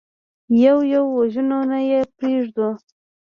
يو يو وژنو، نه يې پرېږدو.